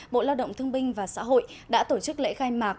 bộ lao động thương binh và xã hội đã tổ chức lễ khai mạc